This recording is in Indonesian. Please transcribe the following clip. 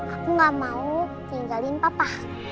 aku gak mau tinggalin patah